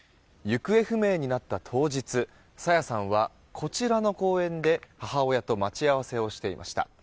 行方不明になった当日朝芽さんはこちらの公園で母親と待ち合わせをしていました。